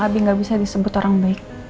abi ga bisa disebut orang baik